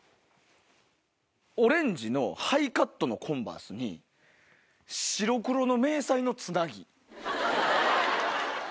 オレンジのハイカットのコンバースに白黒の迷彩のつなぎ。